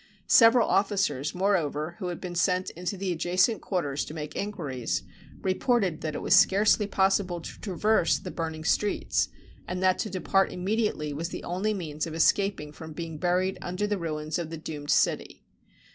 Several officers, moreover, who had been sent into the adjacent quarters to make inquiries, reported that it was scarcely possible to traverse the burning streets, and that to depart immediately was the only means of es caping from being buried under the ruins of the doomed city.